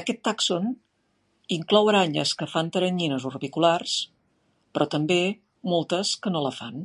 Aquest tàxon inclou aranyes que fan teranyines orbiculars, però també moltes que no la fan.